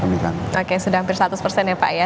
oke sudah hampir seratus persen ya pak ya